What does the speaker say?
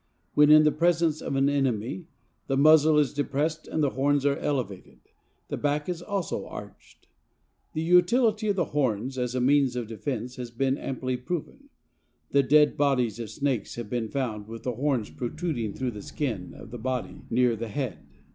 When in the presence of an enemy "the muzzle is depressed and the horns are elevated. The back is also arched." The utility of the horns as a means of defense has been amply proven. The dead bodies of snakes have been found with the horns protruding through the skin of the body near the head.